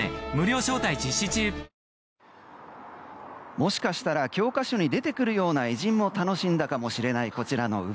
もしかしたら教科書に出てくるような偉人も楽しんだかもしれないこちらの梅。